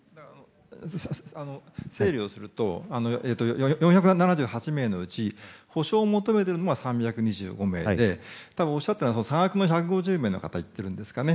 整理をすると４７８名のうち補償を求めているのが３２５名で多分、おっしゃっているのは差額の１５０名の方を言っているんでしょうか。